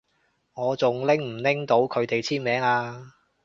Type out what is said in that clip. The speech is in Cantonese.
我仲拎唔拎到佢哋簽名啊？